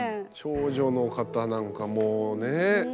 長女の方なんかもうねぇ。